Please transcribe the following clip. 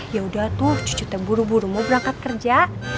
yaudah tuh cucu teh buru buru mau berangkat kerja